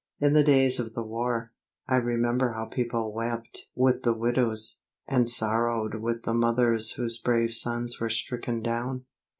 In the days of the war, I remember how people wept with the widows, and sorrowed with the mothers whose brave sons were stricken down.